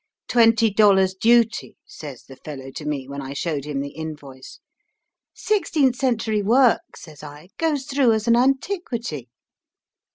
"* Twenty dollars duty,' says the fellow to me when I showed him the invoice. * Sixteenth century work,' says I, * goes through as an antiquity.'